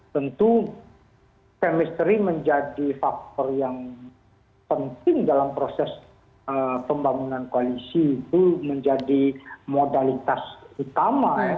tentu chemistry menjadi faktor yang penting dalam proses pembangunan koalisi itu menjadi modalitas utama ya